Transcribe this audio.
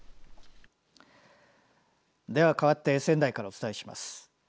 では、かわって仙台からお伝えします。